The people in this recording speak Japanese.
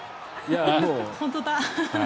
本当だ！